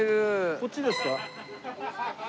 こっちですか？